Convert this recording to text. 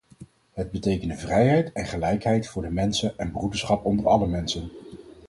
Het betekende vrijheid en gelijkheid voor de mensen en broederschap onder alle mensen.